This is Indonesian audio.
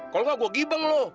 kalau nggak gua gibeng lu